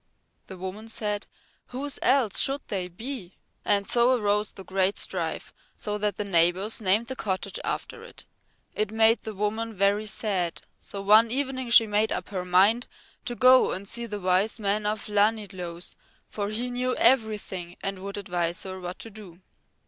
The woman said: "Whose else should they be?" And so arose the great strife so that the neighbours named the cottage after it. It made the woman very sad, so one evening she made up her mind to go and see the Wise Man of Llanidloes, for he knew everything and would advise her what to do.